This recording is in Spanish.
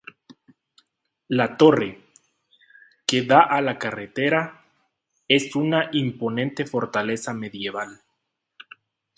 La torre, que da a la carretera, es una imponente fortaleza medieval.